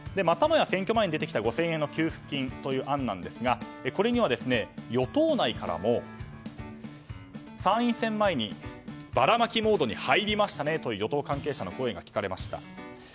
またもや選挙前に出てきた５０００円の給付金という案ですがこれには与党内からも参院選前にばらまきモードに入りましたねと与党関係者の声が聞かれました。